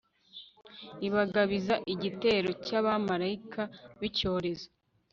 ibagabiza igitero cy'abamalayika b'icyorezo